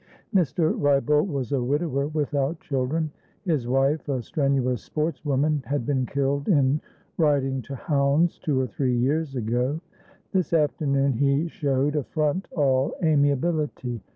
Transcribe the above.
Mr. Wrybolt was a widower, without children; his wife, a strenuous sportswoman, had been killed in riding to hounds two or three years ago. This afternoon he showed a front all amiability.